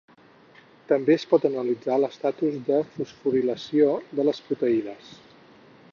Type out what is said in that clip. També es pot analitzar l’estatus de fosforilació de les proteïnes.